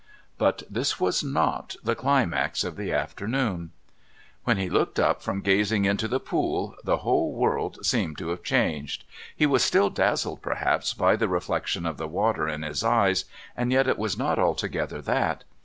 But this was not the climax of the afternoon. When he looked up from gazing into the pool the whole world seemed to have changed. He was still dazzled perhaps by the reflection of the water in his eyes, and yet it was not altogether that.